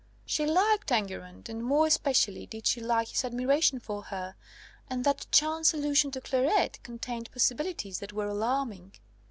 She liked Enguerrand; and more especially did she like his admiration for her; and that chance allusion to Clairette contained possibilities that were alarming.